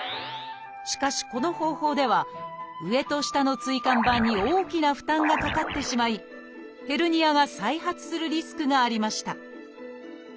しかしこの方法では上と下の椎間板に大きな負担がかかってしまいヘルニアが再発するリスクがありました